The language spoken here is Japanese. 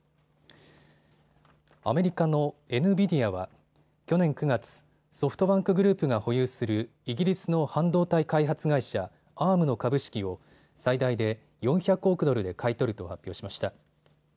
アメリカのエヌビディアは去年９月、ソフトバンクグループが保有するイギリスの半導体開発会社Ａｒｍの株式を最大で４００億ドルで買い取ると発表しました。